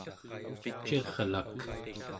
cirlak